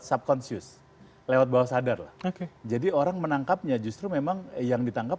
subconscious lewat bawah sadar jadi orang menangkapnya justru memang yang ditangkap